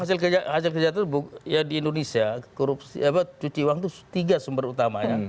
jadi uang hasil kerja itu ya di indonesia curupsi cuci uang itu tiga sumber utama ya